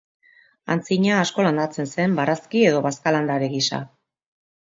Antzina, asko landatzen zen barazki edo bazka landare gisa.